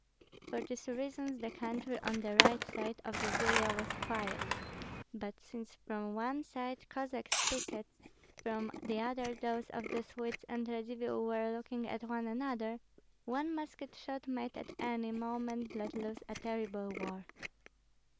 For these reasons the country on the right side of the Vilia was quiet; but since from one side Cossack pickets, from the other those of the Swedes and Radzivill were looking at one another, one musket shot might at any moment let loose a terrible war.